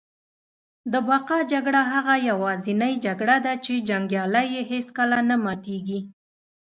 د بقا جګړه هغه یوازینۍ جګړه ده چي جنګیالی یې هیڅکله نه ماتیږي